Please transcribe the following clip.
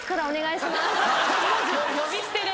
呼び捨てで。